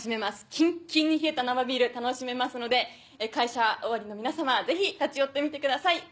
キンッキンに冷えた生ビール楽しめますので会社終わりの皆さまぜひ立ち寄ってみてください。